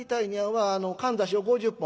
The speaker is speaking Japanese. かんざしを５０本。